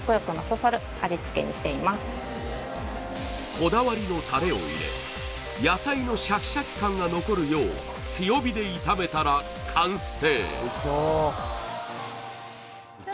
こだわりのタレを入れ野菜のシャキシャキ感が残るよう強火で炒めたら完成いただきます